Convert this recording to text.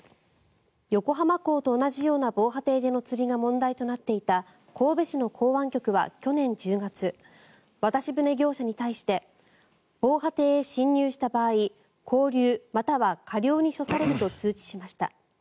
横浜港と同じような防波堤での釣りが問題となっていた神戸市の港湾局は去年１０月渡し船業者に対して防波堤へ侵入した場合拘留または科料に処されると通知しました。